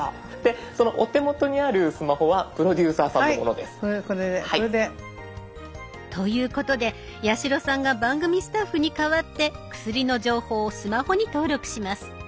そのお手元にあるスマホはプロデューサーさんのものです。ということで八代さんが番組スタッフに代わって薬の情報をスマホに登録します。